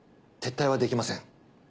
撤退はできません。